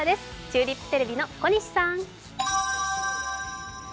チューリップテレビの小西さん。